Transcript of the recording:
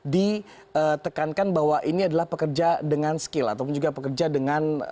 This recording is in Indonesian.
ditekankan bahwa ini adalah pekerja dengan skill ataupun juga pekerja dengan